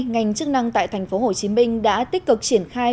ngành chức năng tại tp hcm đã tích cực triển khai